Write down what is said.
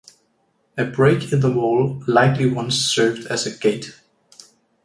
A break in the wall likely once served as a gate.